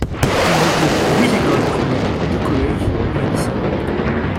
Il regroupe huit écoles primaires, deux collèges et un lycée.